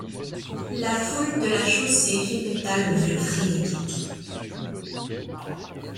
La foule de la chaussée répéta le vœu frénétique.